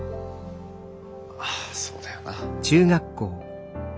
ああそうだよな。